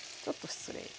ちょっと失礼。